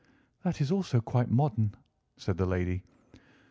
"That is also quite modern," said the lady.